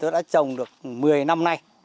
tôi đã trồng được một mươi năm nay